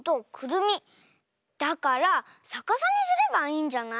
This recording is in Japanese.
だからさかさにすればいいんじゃない？